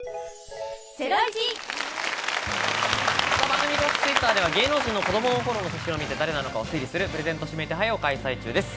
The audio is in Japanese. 番組公式Ｔｗｉｔｔｅｒでは芸能人の子供の頃の写真を見て誰なのかを推理するプレゼント指名手配を開催中です。